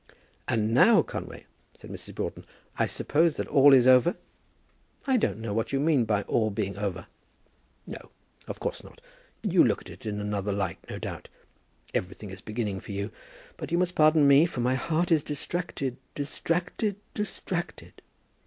"And now, Conway," said Mrs. Broughton, "I suppose that all is over?" "I don't know what you mean by all being over." "No, of course not. You look at it in another light, no doubt. Everything is beginning for you. But you must pardon me, for my heart is distracted, distracted, distracted!"